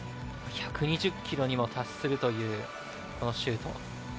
１２０キロにも達するというこのシュート。